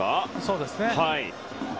そうですね。